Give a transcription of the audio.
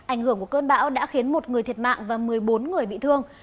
ảnh hưởng của cơn bão đã khiến một người thiệt mạng và một mươi bốn người bị thương